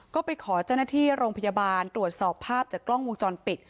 ก็ไปขอเจ้าหน้าที่โรงพยาบาลตรวจสอบภาพจากกล้องวงจรปิด